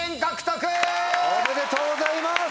おめでとうございます！